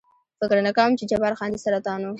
فکر نه کوم، چې جبار خان دې سرطان و.